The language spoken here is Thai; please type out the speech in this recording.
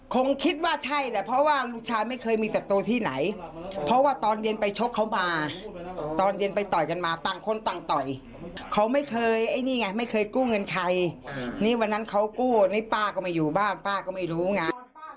คงคิดว่าใช่แหละเพราะว่าลูกชายไม่เคยมีศัตรูที่ไหนเพราะว่าตอนเย็นไปชกเขามาตอนเย็นไปต่อยกันมาต่างคนต่างต่อยเขาไม่เคยไอ้นี่ไงไม่เคยกู้เงินใครนี่วันนั้นเขากู้นี่ป้าก็ไม่อยู่บ้านป้าก็ไม่รู้ไง